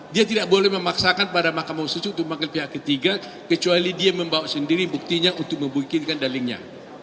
dia tidak boleh memaksakan pada mahkamah konstitusi untuk memanggil pihak ketiga kecuali dia membawa sendiri buktinya untuk membukinkan dalilnya